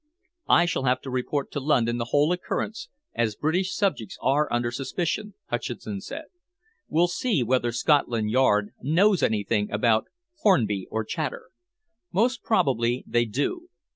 "I shall have to report to London the whole occurrence, as British subjects are under suspicion," Hutcheson said. "We'll see whether Scotland Yard knows anything about Hornby or Chater. Most probably they do.